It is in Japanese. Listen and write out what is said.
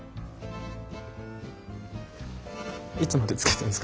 いつまでつけてんですか？